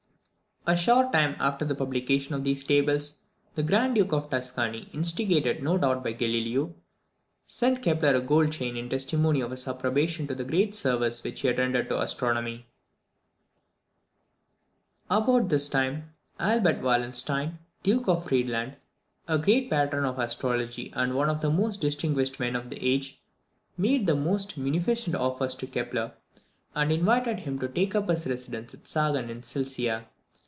A short time after the publication of these tables, the Grand Duke of Tuscany, instigated no doubt by Galileo, sent Kepler a gold chain in testimony of his approbation of the great service which he had rendered to astronomy. About this time Albert Wallenstein, Duke of Friedland, a great patron of astrology, and one of the most distinguished men of the age, made the most munificent offers to Kepler, and invited him to take up his residence at Sagan in Silesia.